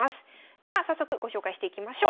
では早速ご紹介していきましょう。